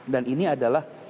dan ini adalah